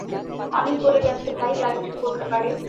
অনেক বলে গেছে ভাই, যা কিছু করতে পারে।